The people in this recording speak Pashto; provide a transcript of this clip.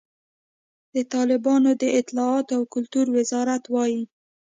د طالبانو د اطلاعاتو او کلتور وزارت وایي،